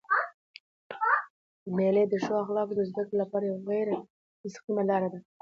مېلې د ښو اخلاقو د زدهکړي له پاره غیري مستقیمه لار ده.